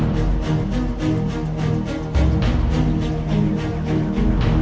tunggu petunjuknya lari kesana